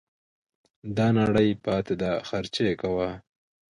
دا نړۍ پاته ده خرچې کوه